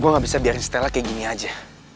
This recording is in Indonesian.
gue gak bisa biarin stella kayak gini aja